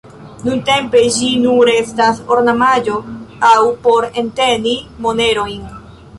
Nuntempe ĝi nur estas ornamaĵo aŭ por enteni monerojn.